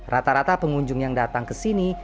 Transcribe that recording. rata rata pengunjung yang datang ke sini